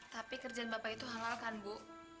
tapi kerjaan bapak itu halal kan bu